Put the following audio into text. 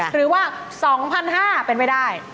หรือว่า๒๕๐๐บาทเป็นไปได้